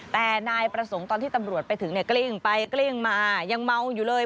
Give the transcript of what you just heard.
แต่นายประสงค์ตอนที่ตำรวจไปถึงเนี่ยกลิ้งไปกลิ้งมายังเมาอยู่เลย